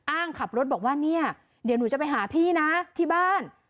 อ้างขับรถบอกว่าเนี่ยเดี๋ยวหนูจะไปหาพี่นะที่บ้าน